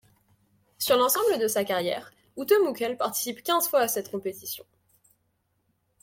Sur l'ensemble de sa carrière Ute Mückel participe quinze fois à cette compétition.